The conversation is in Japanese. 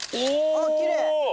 あらきれい。